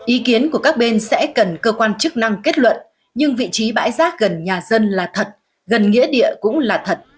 ý kiến của các bên sẽ cần cơ quan chức năng kết luận nhưng vị trí bãi rác gần nhà dân là thật gần nghĩa địa cũng là thật